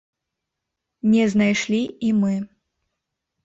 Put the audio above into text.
Не знайшлі і мы.